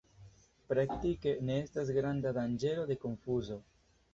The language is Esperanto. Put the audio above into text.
Praktike ne estas granda danĝero de konfuzo.